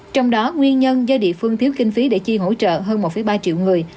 trong đó nguyên nhân do địa phương thiếu kinh phí để chi hỗ trợ hơn một ba triệu người